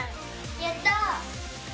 やった！